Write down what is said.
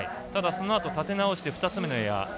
ただ、そのあと建て直して２つ目のエア。